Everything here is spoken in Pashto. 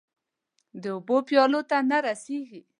د اوبو پیالو ته نه رسيږې